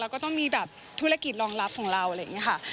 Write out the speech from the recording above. แล้วก็ต้องมีแบบธุรกิจรองรับของเราอะไรอย่างนี้ค่ะ